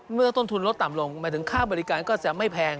เมื่อต้นทุนลดต่ำลงหมายถึงค่าบริการก็จะไม่แพง